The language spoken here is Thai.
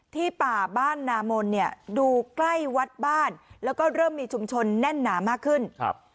ป่าบ้านนามนเนี่ยดูใกล้วัดบ้านแล้วก็เริ่มมีชุมชนแน่นหนามากขึ้นครับ